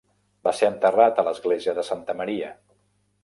Va ser enterrat a l'església de Santa Maria.